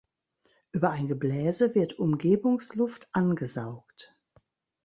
Über ein Gebläse wird Umgebungsluft angesaugt.